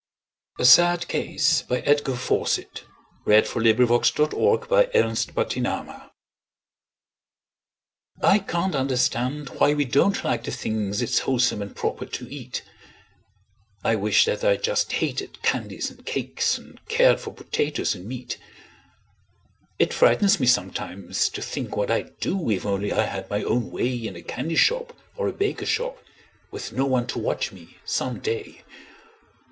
to affright, Beside that third was a shape of light. Edgar Fawcett A Sad Case I CAN'T understand why we don't like the things It's wholesome and proper to eat; I wish that I just hated candies and cakes, And cared for potatoes and meat. It frightens me sometimes, to think what I'd do, If only I had my own way In a candy shop or a baker shop, Witn no one to watch me, some day.